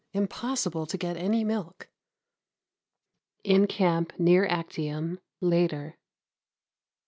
Impossible to get any milk. In Camp near Actium, later.